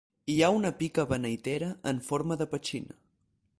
Hi ha una pica beneitera en forma de petxina.